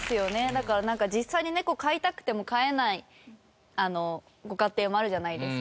だから実際にネコ飼いたくても飼えないご家庭もあるじゃないですか。